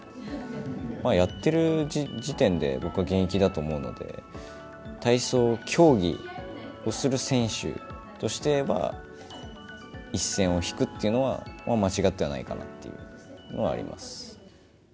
やってる時点で、僕は現役だと思うので、体操競技をする選手としては、一線を引くっていうのは、間違ってはないかなというのはあります。